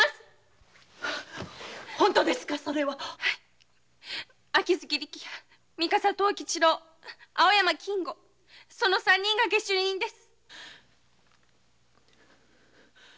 本当ですか秋月力弥三笠藤吉郎青山金吾その三人が下手人です。